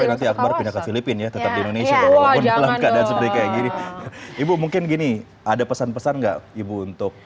nanti akbar pindah ke filipina tetap di indonesia ibu mungkin gini ada pesan pesan enggak ibu untuk